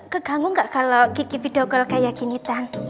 ke ganggu gak kalo kiki video kau kayak gini tante